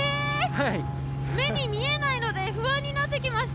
はい目に見えないので不安になってきまし